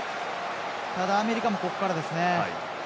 ただ、アメリカもここからですね。